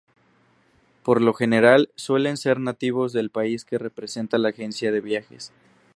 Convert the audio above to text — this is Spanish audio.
Por lo general suelen ser nativos del país que representa la agencia de viajes.